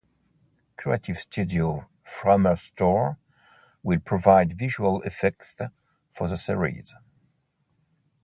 Creative studio Framestore will provide visual effects for the series.